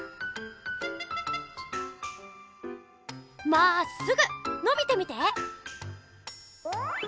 まっすぐのびてみて！